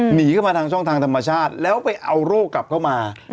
หนีเข้ามาทางช่องทางธรรมชาติแล้วไปเอาโรคกลับเข้ามา